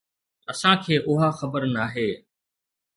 اسان کي اها خبر ناهي.